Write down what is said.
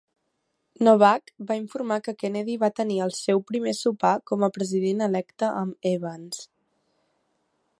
Novak va informar que Kennedy va tenir el seu primer sopar com a president electe amb Evans.